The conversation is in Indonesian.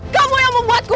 kamu yang membuatku